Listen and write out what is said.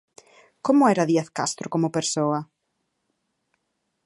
Como era Díaz Castro como persoa?